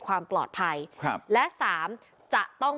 ตั้งคณะกรรมการสอบสวนข้อเท็จจริงทั้งหมดเลยว่า